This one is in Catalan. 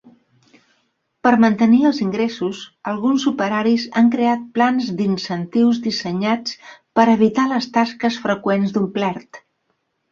Per mantenir els ingressos, alguns operaris han creat plans d'incentius dissenyats per evitar les tasques freqüents d"omplert.